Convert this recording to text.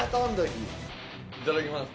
いただきます。